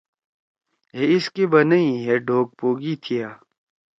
ہے ایس کے بنئی ہے ڈھوگ پوگی تھیا۔